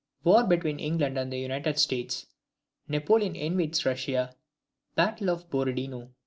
War between England and the United States. Napoleon invades Russia. Battle of Borodino.